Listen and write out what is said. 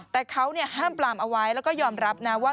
แต่เขาห้ามปลามเอาไว้แล้วก็ยอมรับนะว่า